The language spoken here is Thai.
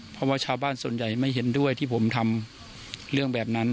เพราะว่าชาวบ้านส่วนใหญ่ไม่เห็นด้วยที่ผมทำเรื่องแบบนั้น